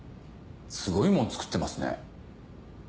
すごいもん作ってますね。